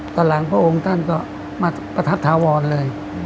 ตอนหลังพระองค์ท่านก็มาประทับถาวรเลย